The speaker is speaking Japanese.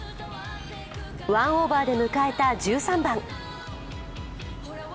１オーバーで迎えた１３番。